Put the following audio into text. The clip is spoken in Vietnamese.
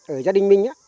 ở gia đình mình